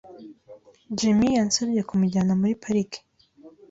Jimmy yansabye kumujyana muri pariki.